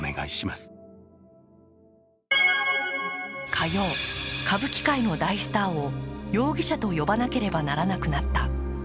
火曜、歌舞伎界の大スターを容疑者と呼ばなければならなくなった。